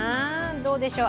どうでしょう。